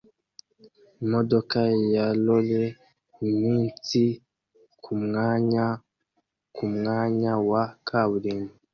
Imodoka ya Ralley imitsi kumwanya kumwanya wa kaburimbo